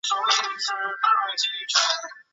佛勒格拉也是希腊神话中。